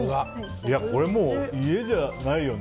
これもう家じゃないよね。